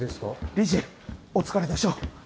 理事お疲れでしょう。